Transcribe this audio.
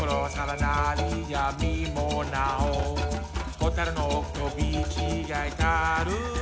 「ほたるの多く飛びちがひたる。」